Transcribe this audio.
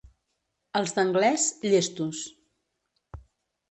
Els d'Anglès, llestos.